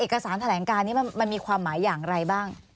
เอกสารแถลงการนี้มันมีความหมายอย่างไรบ้าง